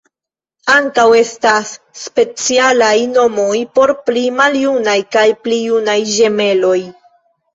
Ankaŭ estas specialaj nomoj por pli maljunaj kaj pli junaj ĝemeloj.